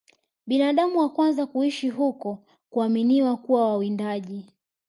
Binadamu wa kwanza kuishi huko huaminiwa kuwa wawindaji